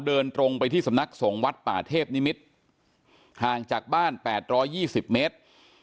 เดินตรงไปที่สำนักสงฆ์วัดป่าเทพนิมิตรห่างจากบ้าน๘๒๐เมตร